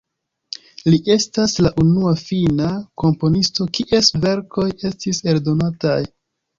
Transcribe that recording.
Li estas la unua finna komponisto, kies verkoj estis eldonataj.